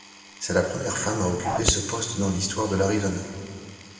C’est la première femme à occuper ce poste dans l’histoire de l’Arizona.